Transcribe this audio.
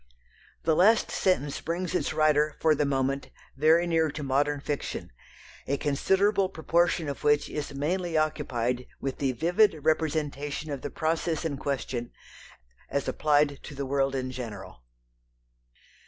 The last sentence brings its writer for the moment very near to modern fiction, a considerable proportion of which is mainly occupied with the vivid representation of the process in question as applied to the world in general.